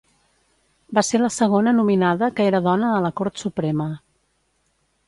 Va ser la segona nominada que era dona a la Cort Suprema.